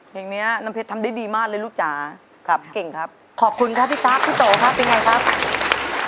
เพลงเนี้ยน้ำเพชรทำได้ดีมากเลยลูกจ๋าครับเก่งครับขอบคุณครับพี่ตั๊กพี่โตครับเป็นไงครับ